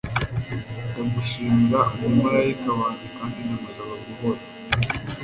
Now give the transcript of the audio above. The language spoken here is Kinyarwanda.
Ndamushimira umumarayika wanjye kandi ndamusaba guhora